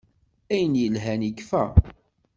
Ayen yelhan ikfa.